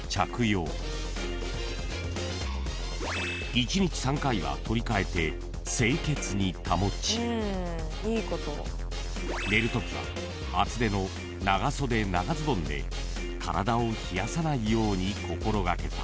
［１日３回は取り換えて清潔に保ち寝るときは厚手の長袖長ズボンで体を冷やさないように心掛けた。